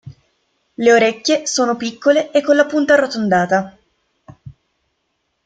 Le orecchie sono piccole e con la punta arrotondata.